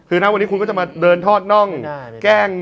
คือนะวันนี้คุณก็จะมาเดินทอดน่องแกล้ง